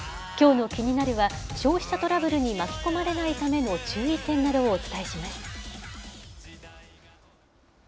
きょうのキニナル！は、消費者トラブルに巻き込まれないための注意点などをお伝えします。